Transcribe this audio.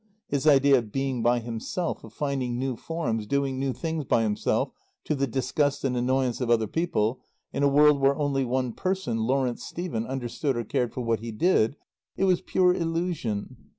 His idea of being by himself of finding new forms, doing new things by himself to the disgust and annoyance of other people, in a world where only one person, Lawrence Stephen, understood or cared for what he did, it was pure illusion.